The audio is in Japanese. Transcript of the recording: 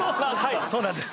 はいそうなんです。